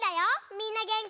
みんなげんき？